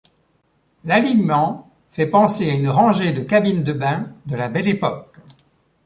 L'alignement fait penser à une rangée de cabines de bains de la Belle Époque.